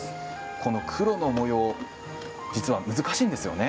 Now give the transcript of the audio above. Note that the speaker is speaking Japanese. この黒の模様実は難しいんですよね？